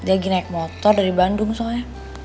dia lagi naik motor dari bandung soalnya